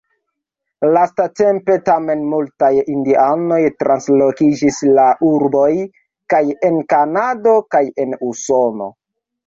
Lastatempe tamen multaj indianoj translokiĝis al urboj, kaj en Kanado, kaj en Usono.